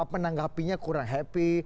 menanggapinya kurang happy